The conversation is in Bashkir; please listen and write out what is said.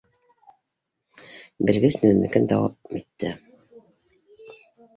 — Белгес үҙенекен дауам итте.